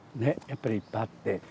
やっぱりいっぱいあって。